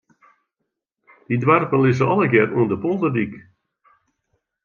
Dy doarpen lizze allegear oan de polderdyk.